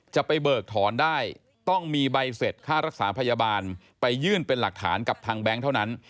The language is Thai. เบิกถอนได้ต้องมีใบเสร็จค่ารักษาพยาบาลไปยื่นเป็นหลักฐานกับทางแบงค์เท่านั้น